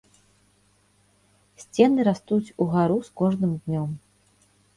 Сцены растуць угару з кожным днём.